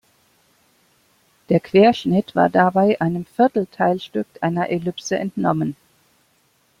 Der Querschnitt war dabei einem Viertel-Teilstück einer Ellipse entnommen.